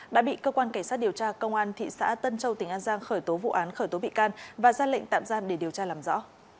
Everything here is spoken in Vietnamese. đã bị cơ quan cảnh sát điều tra công an thị xã tân châu tỉnh an giang khởi tố vụ án khởi tố bị can và ra lệnh tạm giam để điều tra làm rõ